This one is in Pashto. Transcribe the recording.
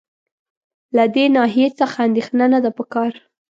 له دې ناحیې څخه اندېښنه نه ده په کار.